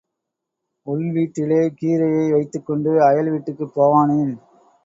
உள் வீட்டிலே கீரையை வைத்துக்கொண்டு அயல் வீட்டுக்குப் போவானேன்?